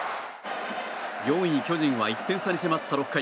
４位巨人は１点差に迫った６回。